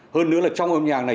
hơn nữa là trong âm nhạc này